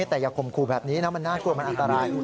แต่อย่าข่มขู่แบบนี้นะมันน่ากลัวมันอันตราย